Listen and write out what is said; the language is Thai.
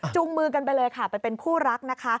มือกันไปเลยค่ะไปเป็นคู่รักนะคะ